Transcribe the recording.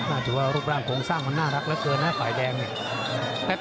ถือว่ารูปร่างโครงสร้างมันน่ารักเหลือเกินนะฝ่ายแดงเนี่ย